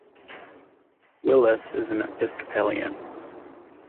Willis is an Episcopalian.